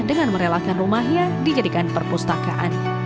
dengan merelakan rumahnya dijadikan perpustakaan